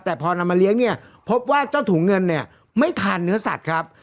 แต่พอนำมาเลี้ยงเนี่ยพบว่าเจ้าถุงเงินเนี่ยไม่ทานเนื้อสัตว์ครับ